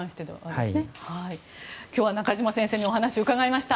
今日は中嶋先生にお話を伺いました。